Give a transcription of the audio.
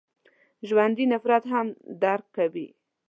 ژوندي نفرت هم درک کوي